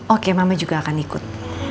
oke mama juga akan ikut